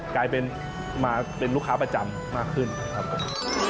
กลายเป็นมาเป็นลูกค้าประจำมากขึ้นครับผม